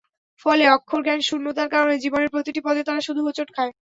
ফলে অক্ষরজ্ঞান শূন্যতার কারণে জীবনের প্রতিটি পদে তারা শুধু হোঁচট খায়।